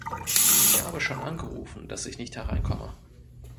Ich habe schon angerufen, dass ich nicht hereinkomme.